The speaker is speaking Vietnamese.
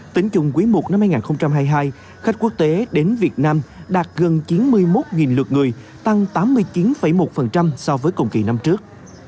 tính chung quý i năm hai nghìn hai mươi hai khách quốc tế đến việt nam đạt gần chín mươi một lượt người tăng tám mươi chín một so với cùng kỳ năm trước